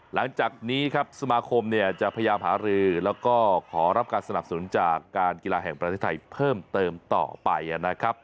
หลังจากนี้ครับสมาคมเนี่ยจะพยายามหารือแล้วก็ขอรับการสนับสนุนจากการกีฬาแห่งประเทศไทยเพิ่มเติมต่อไปนะครับ